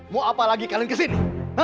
mau apa lagi kalian kesini